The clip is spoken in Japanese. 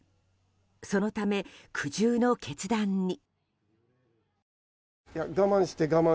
そのため、苦渋の決断に。